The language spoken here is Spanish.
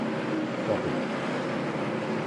Pop It!